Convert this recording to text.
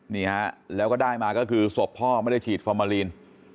นี่ฮะแล้วก็ได้มาก็คือศพพ่อไม่ได้ฉีดฟอร์มาลีน